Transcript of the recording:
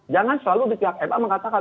jangan selalu di pihak ma mengatakan